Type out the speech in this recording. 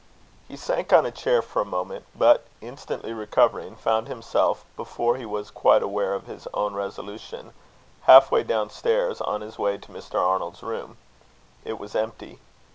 He sank on a chair for a moment; but, instantly recovering, found himself, before he was quite aware of his own resolution, halfway down stairs, on his way to Mr. Arnold's room. It was empty.